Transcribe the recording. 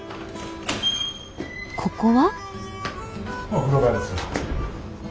ここは？